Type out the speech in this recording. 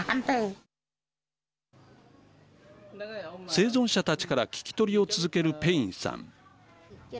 生存者たちから聞き取りを続けるペインさん。